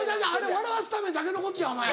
笑わすためだけのこっちゃお前。